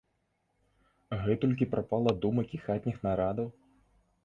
Гэтулькі прапала думак і хатніх нарадаў?